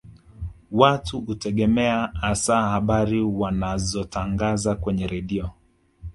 Watu hutegemea hasa habari wanazotangaza kwenye redio